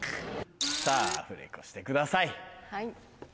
さぁアフレコしてください！